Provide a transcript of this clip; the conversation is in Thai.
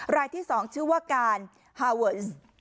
รายที่๒ชื่อว่าการฮาเวิร์น